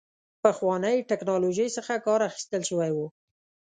پخوانۍ ټکنالوژۍ څخه کار اخیستل شوی و.